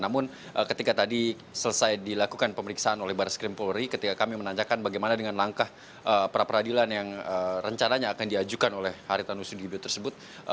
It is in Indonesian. namun ketika tadi selesai dilakukan pemeriksaan oleh baris krim polri ketika kami menanyakan bagaimana dengan langkah perapradilan yang rencananya akan diajukan oleh haritano sudibio tersebut